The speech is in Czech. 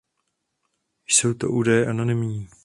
Jsou to údaje anonymní.